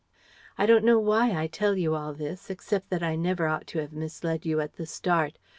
"I don't know why I tell you all this, except that I ought never to have misled you at the start.